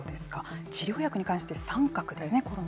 治療薬に関して三角ですね